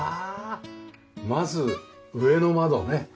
まず上の窓ね。